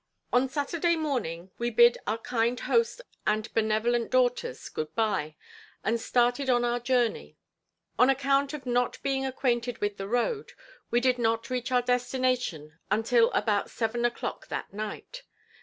On Saturday morning, we bid our kind host and benevolent daughters good by and started on our journey. On account of not being acquainted with the road, we did not reach our destination until about seven o'clock that night.